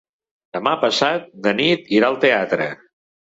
Demà passat na Nit irà al teatre.